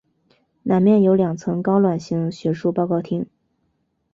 南面有两层高卵形学术报告厅。